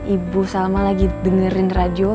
ibu salma lagi dengerin radio